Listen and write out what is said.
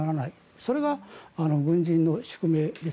それが軍人の宿命です。